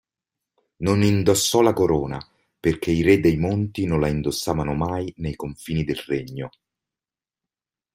Non indossò la corona, perché i re dei Monti non la indossavano mai nei confini del Regno.